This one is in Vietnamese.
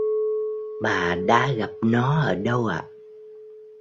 bà đã gặp nó ở đâu ạ